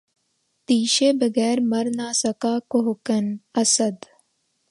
تیشے بغیر مر نہ سکا کوہکن، اسد